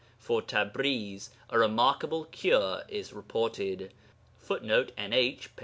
From Tabriz a remarkable cure is reported, [Footnote: NH, p.